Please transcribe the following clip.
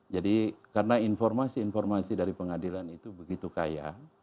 jadi karena informasi informasi dari pengadilan itu begitu kaya